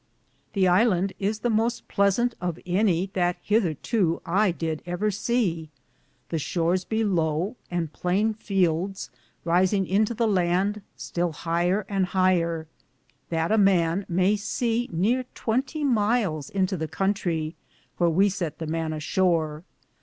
This Hand is the moste pleasante of any that hetherto I did ever see. The shores be lowe, and playne feeldes risinge into the lande still hier and hier, that a man maye se neare twentie myles into the Contrie, wheare we sett the man a shore.